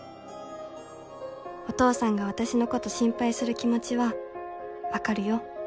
お父さんが私のこと心配する気持ちは分かるよ。